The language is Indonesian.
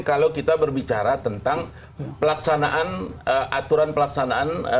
kalau kita berbicara tentang pelaksanaan aturan pelaksanaan